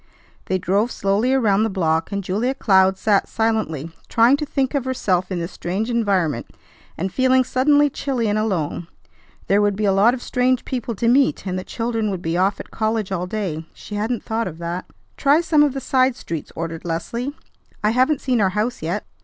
They drove slowly around the block, and Julia Cloud sat silently, trying to think of herself in this strange environment, and feeling suddenly chilly and alone. There would be a lot of strange people to meet, and the children would be off at college all day. She hadn't thought of that. "Try some of the side streets," ordered Leslie; "I haven't seen our house yet."